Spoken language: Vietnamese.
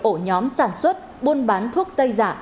ổ nhóm sản xuất buôn bán thuốc tây giả